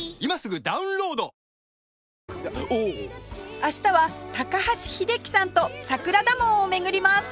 明日は高橋英樹さんと桜田門を巡ります